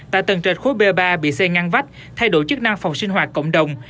tại tầng trệt khối b ba bị xây ngăn vách thay đổi chức năng phòng sinh hoạt cộng đồng